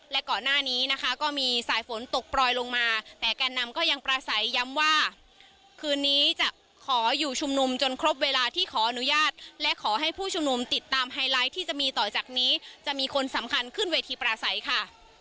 และก่อนหน้านี้นะคะก็มีสายฝนตกปล่อยลงมาแต่แกนนำก็ยังปราศัยย้ำว่าคืนนี้จะขออยู่ชุมนุมจนครบเวลาที่ขออนุญาตและขอให้ผู้ชุมนุมติดตามไฮไลท์ที่จะมีต่อจากนี้จะมีคนสำคัญขึ้นเวทีปราศัยค่ะ